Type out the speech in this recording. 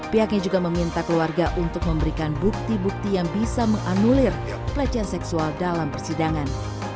pihaknya juga meminta keluarga untuk memberikan bukti bukti yang bisa menganulir pelecehan seksual dalam persidangan